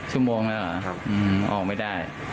ชั่วโมงแล้วเหรอครับออกไม่ได้